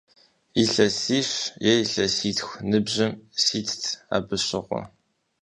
Илъэсищ е илъэситху ныбжьым ситт абы щыгъуэ.